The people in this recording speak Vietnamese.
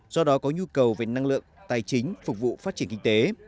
do đó có nhu cầu về năng lượng tài chính phục vụ phát triển kinh tế